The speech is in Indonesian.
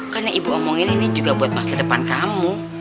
karena ibu omongin ini juga buat masa depan kamu